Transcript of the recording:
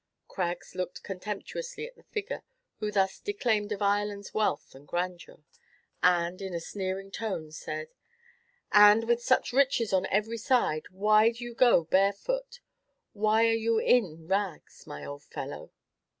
Craggs looked contemptuously at the figure who thus declaimed of Ireland's wealth and grandeur, and, in a sneering tone, said, "And with such riches on every side, why do you go barefoot why are you in rags, my old fellow?"